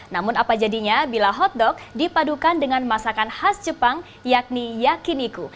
namun apa jadinya bila hotdog dipadukan dengan masakan khas jepang yakni yakiniku